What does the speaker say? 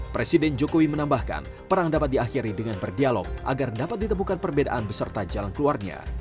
presiden jokowi menambahkan perang dapat diakhiri dengan berdialog agar dapat ditemukan perbedaan beserta jalan keluarnya